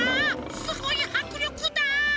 すごいはくりょくだ！